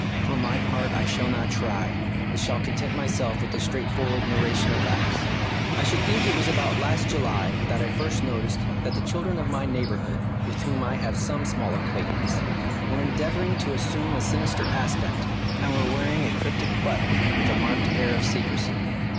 For my part I shall not try, but shall content myself with a straightforward narration of facts. I should think it was about last July that I first noticed that the children of my neigh bourhood, with whom I have some small acquaintance, were endeavouring to assume a sinister aspect, and were wearing a cryptic button with a marked air of secrecy.